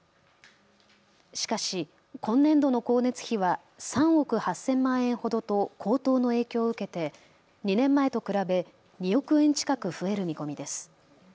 しかし今年度の光熱費は３億８０００万円ほどと高騰の影響を受けて２年前と比べ２億円近く増える見込みです。